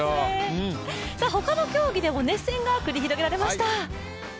他の競技でも熱戦が繰り広げられました。